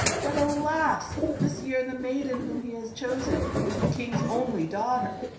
But alas ! this year the maiden whom he has chosen is the king's only daughter.